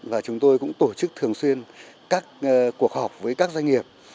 và chúng tôi cũng tổ chức thường xuyên các cuộc họp với các doanh nghiệp